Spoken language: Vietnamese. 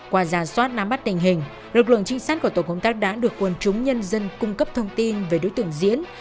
qua giả soát nắm bắt tình hình lực lượng trinh sát của tổ công tác đã được quân chúng nhân dân cung cấp thông tin về đối tượng diễn